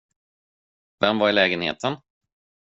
Vem var i lägenheten?